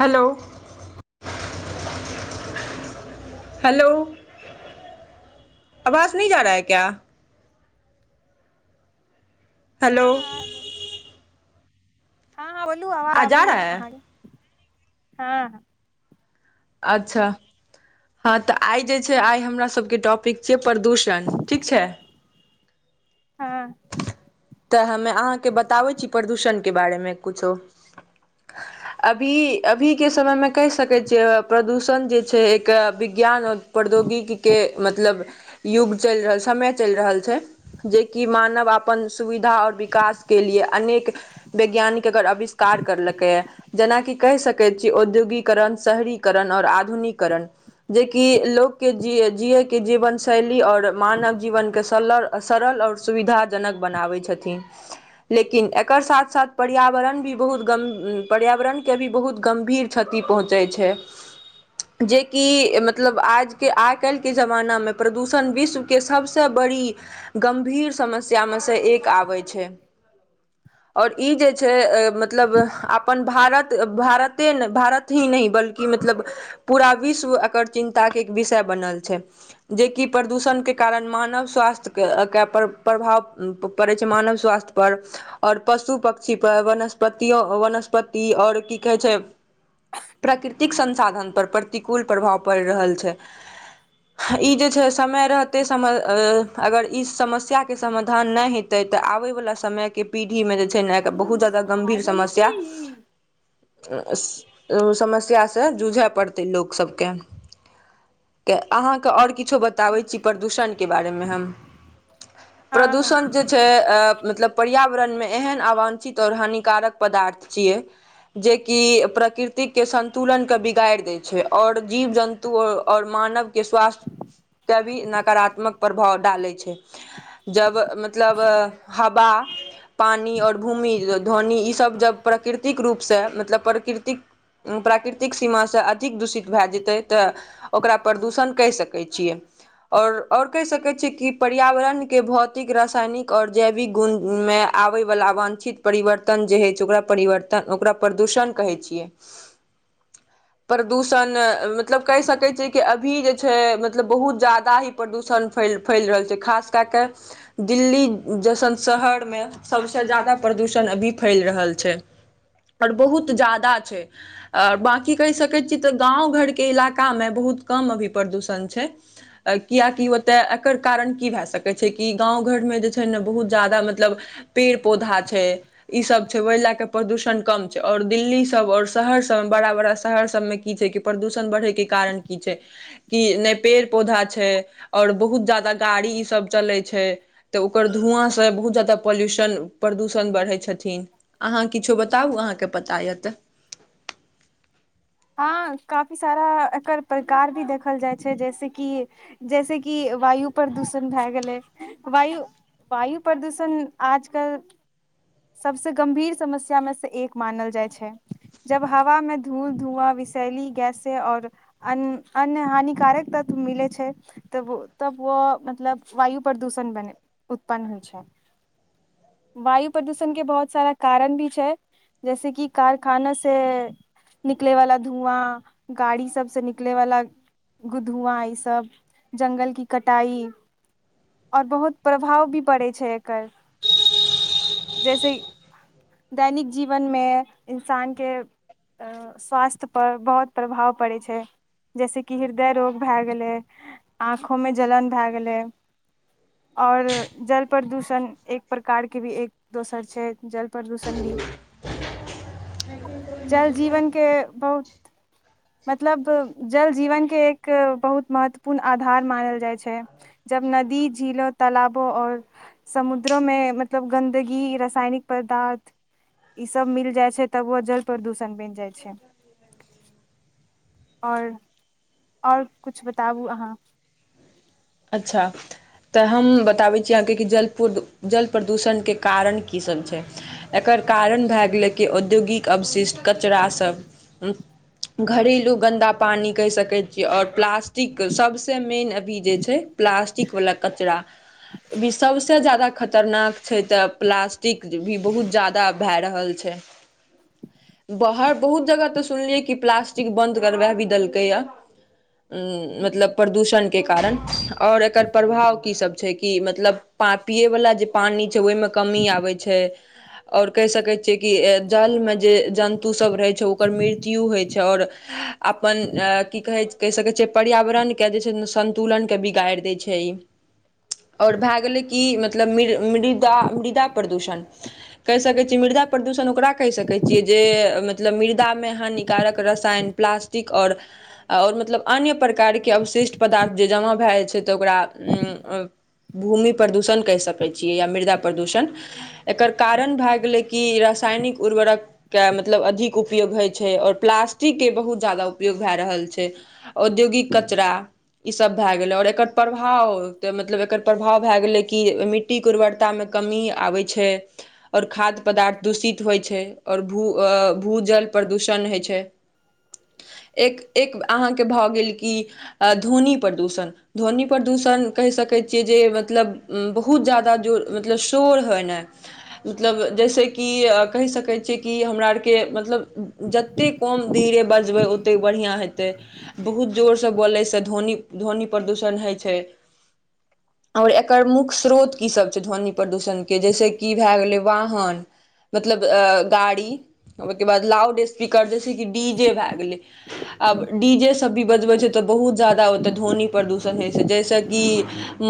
Hello hello hello आवाज नहि जा रहा है क्या हेलो हँ हँ बोलू हँ ह बोलू आवाज आ जा आबैय रहा है अहाँके हँ अच्छा हँ तऽ आइ जे छै आइ हमरा सबके टॉपिक छियै प्रदूषण ठीक छै हँ तऽ हमे अहाँके बताबै छी प्रदूषण के बारेमे कुछो अभी अभीके समयमे कहि सकैत छियै प्रदूषण जे छै एक विज्ञान प्रद्योगिके मतलब युग चलि रहल समय चलि रहल छै जेकि मानव आपन सुविधा और विकास के लिए अनेक वैज्ञानिक एकर आविष्कार करलकै या जेनाकि कहि सकैत छीै औद्योगीकरण शहरीकरण ओर आधुनीकरण जेकि लोकके जिय जियैके जीवन शैली ओर मानव जीवनके सलर सरल ओर सुविधाजनक बनाबै छथिन लेकिन एकर साथ साथ पर्यावरण भी बहुत गम पर्यावरण के भी बहुत गम्भीर क्षति पहुँचै छै जेकि मतलब आजके आइकाल्हि के जमानामे प्रदूषण विश्वके सभसँ बड़ी गम्भीर समस्यामे सँ एक आबै छै ओर ई जे छै मतलब आपन भारत भारते ने भारत ही नहि बल्कि मतलब पूरा विश्व एकर चिन्ता एक विषय बनल छै जेकि प्रदूषणके कारण मानव स्वास्थ्यकेके प्र प्रभाव पड़ै छै मानव स्वास्थ्यपर आओर पशु पक्षीपर वनस्पतियो वनस्पति आओर की कहे छै प्राकृतिक संसाधन पर प्रतिकूल प्रभाव पड़ि रहल छै ई जे समय रहते अगर ई समस्या के सम - धान नय हेतै तऽ आबे वाला समय के पीढ़ी मे जे छै न कोनो बहुत मस्त जादा हवाइ गंभीर बोली की समस्या समस्यासँ जूझय पड़तै लोक सभके त अहाँके ओर किछो बताबैत छी प्रदूषणके बारेमे हम हँ हँ प्रदूषण जे छै मतलब पर्यावरणमे एहन अवांछित ओर हानिकारक पदार्थ छियै जेकि प्रकृतिक के संन्तुलनक के बिगाड़ि देय छै और जीव जन तु आओर मानव के स्वास्थ्य के भी नकारात्मक प्रभाव डालै छै जब मतलब हवा पानि आओर भूमि ध्वनि ईसभ जब प्रकृतिक रूपसँ मतलब प्रकृतिक प्राकृतिक सीमासँ अधिक दूषित भए जेतै तऽ ओकरा प्रदूषण कहि सकैत छियै आओर आओर कहि सकैत छियै कि पर्यावरण के भौतिक रसायनिक आओर जैविक गुणमे आबैवला वाञछित परिवर्तन होइ छै ओकरा परिवर्तन ओकरा प्रदूषण कहै छियै प्रदूषण मतलब कहि सकैत छियै कि अभी जे छै मतलब बहुत ज्याददा ही प्रदूषण फैल फैल रहल छै खास कए कए दिल्ली जसन शहर मे सबसे ज्यादा प्रदूषण अभी फैल रहल छै पर बहुत जायदा छै आ बाँकी कहि सकैत छी तऽ गाँव घरके इलाकामे बहुत कम अभी प्रदूषण छै कियाकि ओते एकर कारण की भए सकत कहै छै कि गाँव घरमे जे छै ने बहुत जादा मतलब पेड़ पौधा छै ई सब छै ओहि लए क प्रदूषण कम छै और दिल्ली सब और शहर सब मे बड़ा बड़ा शहर सब में की छै कि प्रदूषण बढ़ैके कारण की छै कि ने पेड़ पौधा छै और बहुत जादा गाड़ी ई सब चलै छै तऽ ओकर धुआँ से बहुत जादा पॉल्यूशन प्रदूषण बढ़ै छै थिन अहाँ किछो बताउ अहाँके पता यऽ तऽ हँ काफी सारा एकर प्रकार भी देखल जाय छै जैसे कि जैसे कि वायु प्रदूषण भए गेलै वायु वायु प्रदूषण आज कल सबसे गंभीर समस्या मे से एक मानल जाइ छै जब हवा में धूल धुआ विषैली गैस और अन्य अन्य हानिकारक तत्व मिले छै तब तब व मतलब वायु प्रदूषण बने उत्पन्न होइ छै वायु प्रदूषण के बहुत सारा कारण भी छै जैसे कि कारखाना से निकले वाला धुआ गाड़ी सब से निकले वाला गु धुआ ई सब जंगल की कटाई और बहुत प्रभाव भी पड़ै छै एकर [unintelligible] जैसे दैनिक जीवनमे इन्सानके स्वास्थ्य पर बहुत प्रभाव पड़ैत छै जैसेकि हृदय रोग भए गेलै आँखों में जलन भए गेलै आओर जल प्रदूषण एक प्रकारके भी एक दोसर छै जल प्रदूषण भी जीवनके बहुत मतलब जल जीवनके एक बहुत महत्वपूर्ण आधार मानल जाइ छै जब नदी झीलों तालबो आऔ समुद द्रो में मतलब गन्दगी रसायनिक पदार्थ ई सब मिल जाइ छै तब बहुत जल प्रदूषण बनि जाइ छै और और कुछ बताबू अहाँ अच्छा तऽ हम बताबै छी अहाँके कि जल प्रद जल प्रदूषणके कारण की सब छै एकर कारण भए गेलै कि औद्योगिक अवशिष्ट कचरासभ घरेलू गन्दा पानी कहि सकैत छियै और प्लास्ट टिक सबसे मे न अभी जे छै पलास्टीक वाला कचरा तै जदा खतरनाक छै तऽ प्लास्टिक भी बहुत जदा भए रहल छै बाहर बहुत जगह तऽ सुनलियै कि प्लास्टिक बंद करबा भी देलकै या मतलब प्रदूषणके कारण और एकर प्रभाव कीसभ छै कि मतलब पापिए वला जे पानि छै ओहिमे कमी आबै छै और कहि सकै छियै कि जलमे जे जन्तुसभ रहै छै ओकर मृत्यु होइ छै आओर आपन की कहै कहि सकै छै पर्यावरण के जे छै संतुलन कै बिगाड़ दै छै ई आओर भए गेलै कि मतलब मृ मृदा मृदा प्रदूषण कहि सकै छियै मृदा प्रदूषण ओकरा कहि सकै छियै जे मतलब मृदामे हानिकारक रसायन प्लास्टिक और और मतलब अन्य प्रकार के अवशिष्ट पदार्थ जे जमा भए जाइ छै त ओकरा भूमि प्रदूषण कहि सकै छियै या मृदा प्रदूषण एकर कारण भए गेलै कि रासायनिक उर्वरक के मतलब अधिक उपयोग है छै ओर प्लास्टिकके बहुत ज्यादा उपयोग भाय रहल छै औद्योगिक कचरा ई सब भाए गेले ओर एकर प्रभाव मतलब एकर प्रभाव भए गेले की मिट्टी की उर्वरता मे कमी आबै छै आओर खाद्य पदार्थ दूषित होइ छै आओरो भू जल प्रदूषण होइ छै एक एक अहाँके भऽ गेल कि ध्वनि प्रदूषण ध्वनि प्रदूषण कहि सकै छियै जे मतलब बहुत ज्यादा जोर मतलब शोर होइ नहि मतलब जैसेक कि कहि सकै छियै कि हमरा आरके मतलब जतेक कोन धीरे बजबै ओतेक बढिया हेतै बहुत जोर सँ बोले सँ ध्वनि ध्वनि प्रदूषण है छै आओर एकर मुख्य श्रोत की सभ छै ध्वनि प्रदूषणके जैसे कि भए गेलै वाहन मतलब अ गाड़ी ओके बाद लाउडस्पीकर जैस कि डी जे भए गेलै आब डी जेे सब भी बजबै छै तऽ बहुत ज्यादा ध्वनि प्रदूषण है छै जैसे की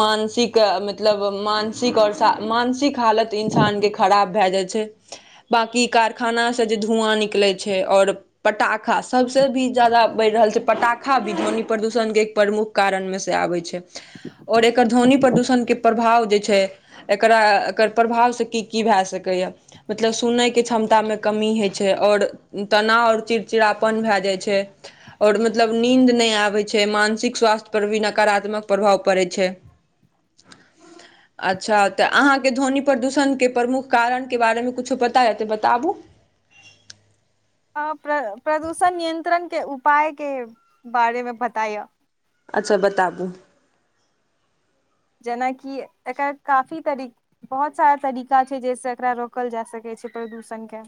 मानसिक मतलब मान सिक ओर सा मानसिक हालत इन्सान के खराब भए जाइ छै बाँकी कारखानासँ जे धुआँ निकले छै आओर पटाखा सभसे भी ज्यादा बढ़ि रहल छै पटाखा भी ध्वनि प्रदूषण के प्रमुख कारण मे से आबै छै और एकर ध्वनि प्रदूषण के प्रभाव जे छै एकरा एकर प्रभावसँ की की भए सकैए मतलब सुनेके क्षमतामे कमी है छै और तनाव ओर चिड़चिड़ापन भए जाइ छै और मतलब नींद नहि आबै छै मानसिक स्वास्थ्य पर भी नकारात्मक प्रभाव पड़ै छै अच्छा तऽ अहाँके ध्वनि प्रदूषणके प्रमुख कारणके बारेमे कुछो पता य त बताबू ह प्र प्रदूषण नियंत्रण के उपाय के बारे मे पताय अच्छा बताबू जेनाकि एकर काफी तरी बहुत सारा तरीका छै जैसे एकरा रोकल जा सकैत छै प्रदूषणके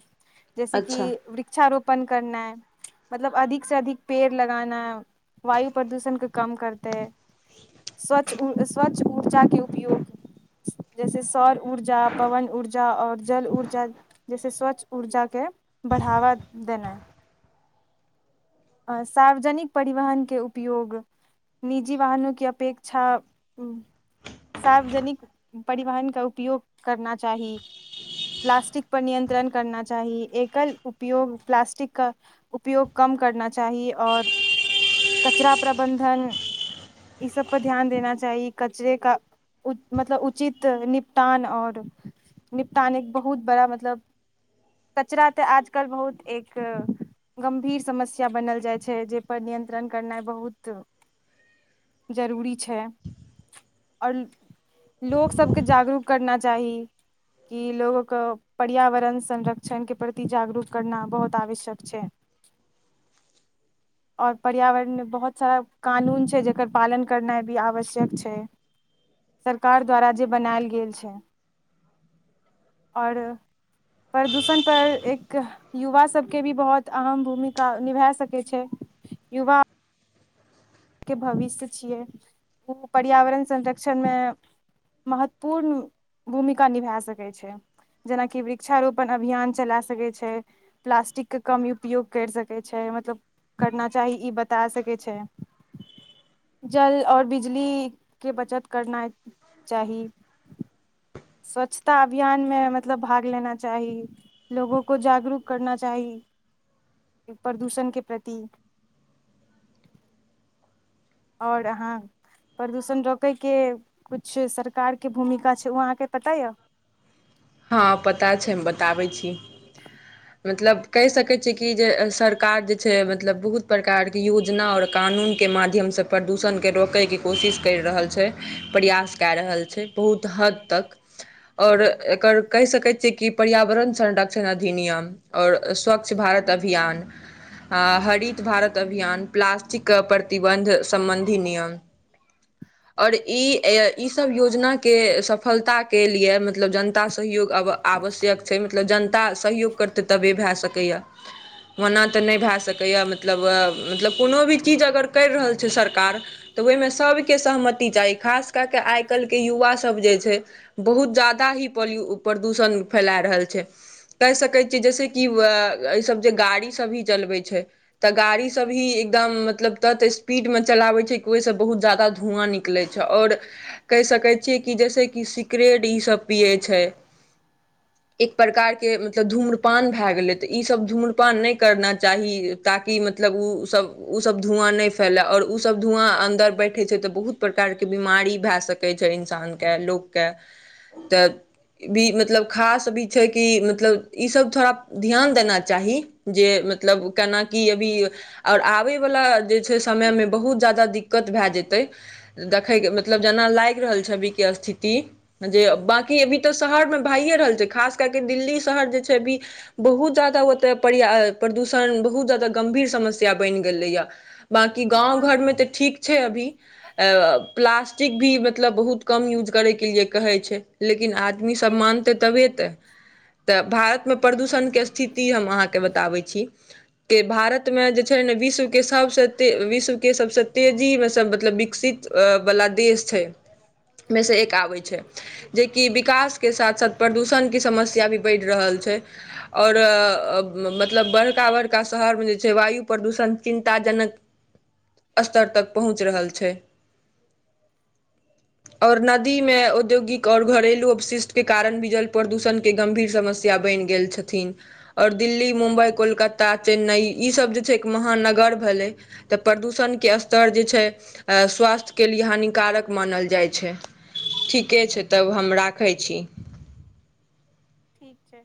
जैसे की अच्छा वृक्षारोपण करना मतलब अधिक से अधिक पेड़ लगाना वायु प्रदूषण के कम करते स्वच्छ स्वच्छ ऊर्जा के उपयोग जैसे सौर ऊर्जा पवन ऊर्जा और जल ऊर्जा जैसे स्वच्छ ऊर्जा के बढ़ावा देना आ सार्वजनिक परिवाहनके उपयोग निजी वाहनो की अपेक्षा सार्वजनिक परिवाहनके उपयोग करना चाही प्लास्टिक पर नियंत्रण करना चाही एकल उपयोग प्लास्टिक क उपयोग कम करना चाही और कचड़ा प्रबन्धन ई सब पर ध्यान देना चाही कचरे का मतलब उचित निपटान और निपटान एक बहुत बड़ा मतलब कचरा त आजकल बहुत एक गंभीर समस्या किया बनल जाइ छै जे पर नियंत्रण करनाइ बहुत जरूरी छै ओर लोक सबके जागरूक करना चाही कि लोकके पर्यावरण संरक्षणके प्रति जागरूक करना बहुत आवश्यक छै और पर्यावरण में बहुत सारा कानून छै जकर पालन करनाइ भी आवश्यक छै सरकार द्वारा जे बनायल गेल छै और प्रदूषण पर एक युवा सब के भी बहुत अहम भूमिका निभाय सकै छै युवा के भविष्य छियै ओ पर्यावरण संरक्षण में महत्वपूर्ण भूमिका निभा सकैत छै जेनाकि वृक्षारोपण अभियान चला सकैत छै प्लास्टिक के कम उपयोग करि सकैत छै मतलब करना चाही ई बता सकै छै जल और बिजली के बचत करना चाही स्वच्छता अभियान में मतलब भाग लेना चाही लोगो को जागरूक करना चाही प्रदूषण के प्रति और अहाँ प्रदूषण रोकय के कुछ सरकार के भूमिका छै ओ अहाँ के पता यऽ हाँ पता छै हम बताबै छी मतलब कह सके छी की जे सरकार जे छै मतलब बहुत प्रकार के योजना और कानून के माध्यम सँ प्रदूषण के रोकै के कोशिश करि रहल छै प्रयास कए रहल छै बहुत हद तक और एकर कहि सकैत छियै की पर्यावरण संरक्षण अधिनियम और स्वच्छ भारत अभियान हऽ हरित भारत अभियान प्लास्टिक कऽ प्रतिबन्ध सम्बन्धी नियम और ई ई सब योजना के सफलता के लिए मतलब जन जनता सहयोग आब आवश्यक छै मतलब जनता सहयोग करतै तबे भए सकैए ओना तऽ नहि भए सकैए मतलब मतलब कोनो भी चीज अगर करि रहल छै सरकार तऽ ओहिमे सभके सहमति चाही, खास कऽ कऽ आइ काल्हिक युवा सभ जे छै। बहुत ज्यादा ही प्रदूषण फैला रहल छै। कहि सकै छियै, जइसे कि एहि सभ जे गाड़ी सभ चलै छै। तऽ गाड़ी सभ भी एकदम तेज स्पीडमे चलाबै छै, ताहिसँ बहुत ज्यादा धुआँ निकलै छै। निकलै छै, आ कहि सकै छियै जेना कि सिगरेट ई सभ पियै। छैय एक प्रकार के मतलब धूम्रपान भए गेलै तऽ ईस सभ धूम्रपान नहि करना चाही। ताकि मतलब ओ सभ धुआँ नहि फैलय, आओर ओ धुआँ अन्दर बैठै छै तऽ बहुत। प्रकार प्रकारक बीमारी भऽ सकैत छै इंसानके, लोकके तऽ। भी मतलब खास भी छै। कि मतलब इसभ थोड़ा ध्यान देना चाही जे मतलब केना की अभी और आबय वाला जे छै, समय में बहुत ज्यादा दिक्कत भए जेतै देखैय के मतलब जेना लागि रहल छैविक के स्थिति जे बकी अभी तऽ शहर मे भइए रहल छै। खास कए के दिल्ली शहर जे अभी बहुत ज्यादा ओतऽ प्रदूषण बहुत जादा गंभीर समस्या समस्या बनि गेलैया बाँकी गाँव घर में तऽ ठीक छै अभी अऽ प्लास्टिक भी मतलब बहुत कम यूज करे के लिए कहे छै। लेकिन आदमी आदमी सभ मानतै तबे तऽ तऽ भारत में प्रदूषण के स्थिति हम अहाँ के बताबैत छी। के भारत में जे छै ने विश्वके सभ सँ तेजी में सँ मतलब विकसित वाला देश छै में से एक आबै छै जेकि व विकास के साथ साथ प्रदूषण की समस्या भी बढ़ि रहल छै। और मतलब बड़का बड़का शहर में जे छै, वायु प्रदूषण चिन्ताजनक। स्तर तक पहुँच रहल छै। और नदी में औद्योगिक और घरेलू। शिष्ट के कारण भी जल प्रदूषण के गंभीर समस्या बनि गेल छथिन। आओर दिल्ली, मुम्बइ, कोलकताता, चेन्नइ ईसभ जे छै एक महानगर भेलै। तऽ प्रदूषणके स्तर जे छै। स्वास्थ्यके लिए हानिकारक मानल जाइत छै। ठीके छै। तब हम राखै छी ठीक छै